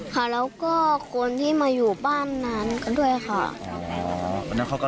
ค่ะแล้วก็คนที่มาอยู่บ้านนั้นก็ด้วยค่ะ